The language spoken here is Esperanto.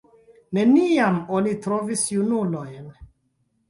Neniam oni trovis junulojn.